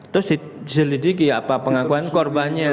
terus diselidiki apa pengakuan korbannya